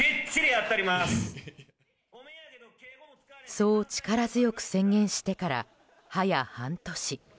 そう力強く宣言してから早半年。